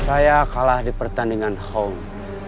saya kalah di pertandingan hong